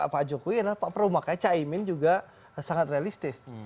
pak jokowi pak prabowo makanya cahimin juga sangat realistis